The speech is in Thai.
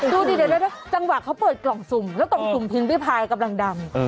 ดูดิเดี๋ยวจังหวะเขาเปิดกล่องสุ่มแล้วกล่องสุ่มพิมพิพายกำลังดำ